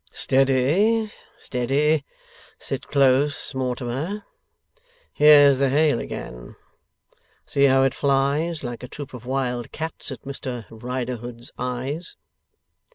Steady, steady! Sit close, Mortimer. Here's the hail again. See how it flies, like a troop of wild cats, at Mr Riderhood's eyes!